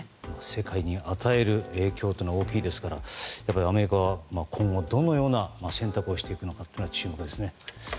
世界に与える影響は大きいですからアメリカは今後どのような選択をしていくのか注目ですね。